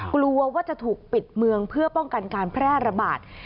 กลัวว่าจะถูกปิดเมืองเพื่อป้องกันการแพร่ระบาด